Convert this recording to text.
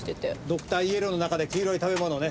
ドクターイエローの中で黄色い食べ物をね。